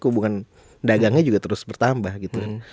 hubungan dagangnya juga terus bertambah gitu kan